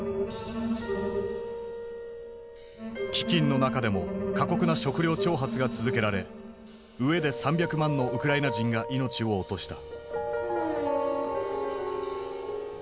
飢饉の中でも過酷な食糧徴発が続けられ飢えで３００万のウクライナ人が命を落とした。